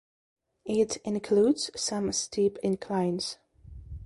It includes some steep inclines.